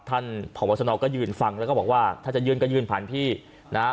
ผวัชนก็ยืนฟังแล้วก็บอกว่าถ้าจะยื่นก็ยื่นผ่านพี่นะฮะ